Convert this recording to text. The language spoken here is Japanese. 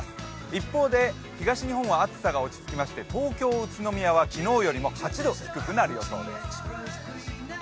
一方で、東日本は暑さが落ち着きまして東京、宇都宮は昨日よりも８度低くなる予想です。